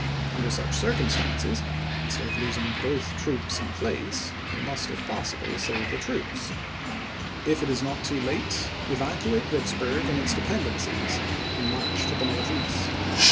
Under such circum stances, instead of losing both troops and place, peKX>u° we must, if possible, save the troops. If it is not volxxiv?; too late, evacuate Vicksburg and its dependencies, v. sss. " and march to the northeast."